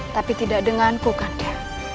tapi tidak denganku kanda